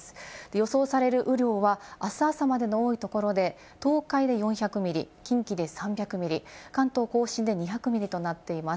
予想される雨量はあす朝までの多いところで東海で４００ミリ、近畿で３００ミリ、関東甲信で２００ミリとなっています。